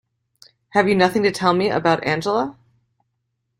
Have you nothing to tell me about Angela?